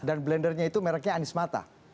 dan blendernya itu mereknya anismata